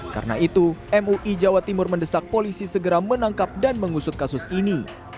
karena itu mui jawa timur mendesak polisi segera menangkap dan mengusut kasus ini